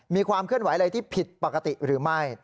มีความเคลื่อนไหวอะไรที่ผิดปกติหรือไม่